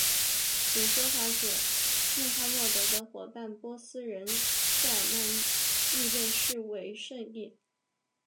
有说法指穆罕默德的伙伴波斯人塞尔曼亦被视为圣裔。